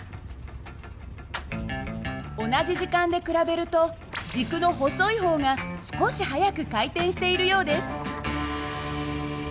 同じ時間で比べると軸の細い方が少し速く回転しているようです。